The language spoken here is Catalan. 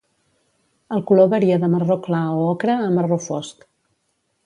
El color varia de marró clar o ocre a marró fosc.